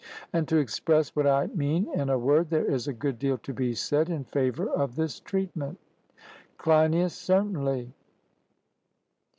And, to express what I mean in a word, there is a good deal to be said in favour of this treatment. CLEINIAS: Certainly.